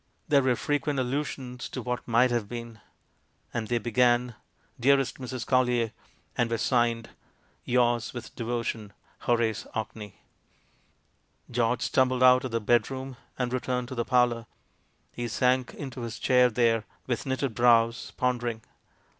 There were frequent allusions to what "might have been." And they began, "Dearest Mrs. Collier," and were signed, "Yours with de votion, Horace Orkney." George stumbled out of the bedroom and re turned to the parlour ; he sank into his chair there, with knitted brows, pondering.